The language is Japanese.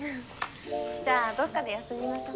じゃあどっかで休みましょう。